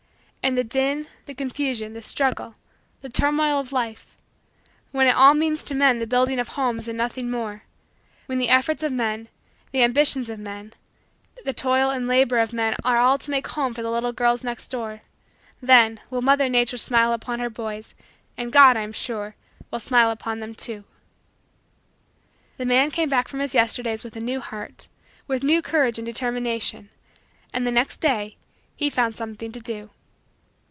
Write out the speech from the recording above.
And the din, the confusion, the struggle, the turmoil of life when it all means to men the building of homes and nothing more; when the efforts of men, the ambitions of men, the labor and toil of men are all to make homes for the little girls next door; then, will Mother Nature smile upon her boys and God, I am sure, will smile upon them, too. The man came back from his Yesterdays with a new heart, with new courage and determination, and the next day he found something to do.